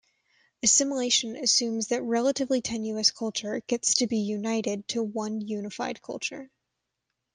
Assimilation assumes that relatively tenuous culture gets to be united to one unified culture.